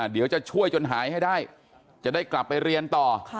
เดี๋ยวจะช่วยจนหายให้ได้จะได้กลับไปเรียนต่อ